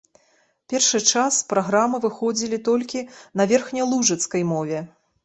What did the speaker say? Першы час праграмы выходзілі толькі на верхнялужыцкай мове.